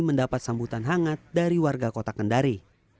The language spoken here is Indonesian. mendapat sambutan hangat dari warga kota kendari